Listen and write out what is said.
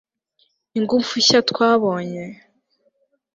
Ingufu nshya twabonye